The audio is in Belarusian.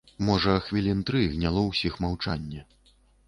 Можа, хвілін тры гняло ўсіх маўчанне.